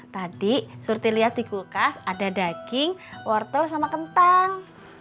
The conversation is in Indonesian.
tadi seperti lihat di kulkas ada daging wortel sama kentang